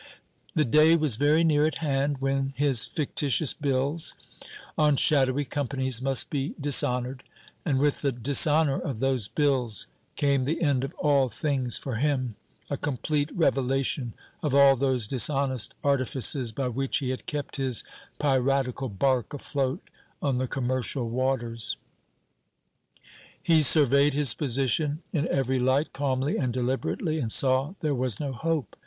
The day was very near at hand when his fictitious bills on shadowy companies must be dishonoured; and with the dishonour of those bills came the end of all things for him, a complete revelation of all those dishonest artifices by which he had kept his piratical bark afloat on the commercial waters. He surveyed his position in every light, calmly and deliberately, and saw there was no hope.